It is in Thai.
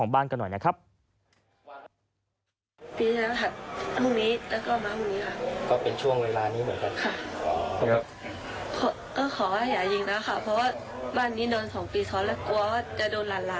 ว่าไม่เกิด